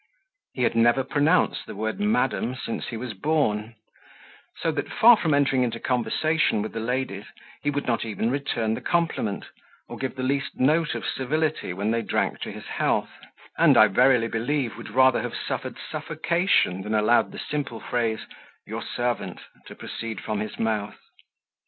He had never pronounced the word "madam" since he was born; so that, far from entering into conversation with the ladies, he would not even return the compliment, or give the least note of civility when they drank to his health, and, I verily believe, would rather have suffered suffocation than allowed the simple phrase "your servant," to proceed from his mouth.